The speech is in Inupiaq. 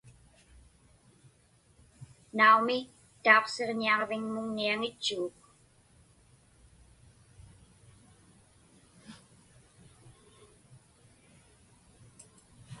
Naumi, tauqsiġñiaġviŋmuŋniaŋitchuguk.